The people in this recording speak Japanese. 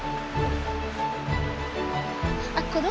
あっこの？